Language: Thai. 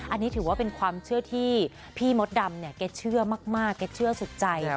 อันนี้ถือว่าเป็นความเชื่อที่พี่มดดำเนี่ยแกเชื่อมากแกเชื่อสุดใจ